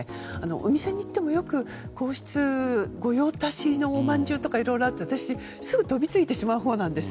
お店に行ってもよく皇室ご用達のお饅頭とかいろいろあって私、すぐに飛びついてしまうほうなんです。